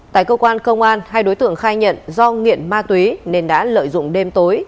tại cơ quan công an hai đối tượng khai nhận do nghiện ma túy nên đã lợi dụng đêm tối